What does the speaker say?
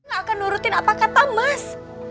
gak akan nurutin apa kata mas